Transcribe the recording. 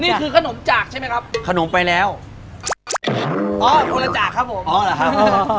นี่คือขนมจากใช่ไหมครับขนมไปแล้วอ๋อคนละจากครับผมอ๋อเหรอครับ